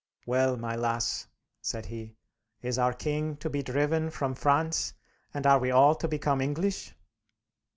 "Well, my lass," said he, "is our king to be driven from France, and are we all to become English?"